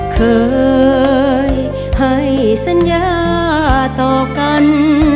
เคยให้สัญญาต่อกัน